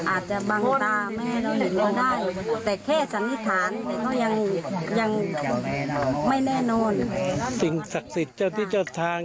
อาจจะบางตาแม่เราเห็นก็ได้แต่แค่สันนิษฐาน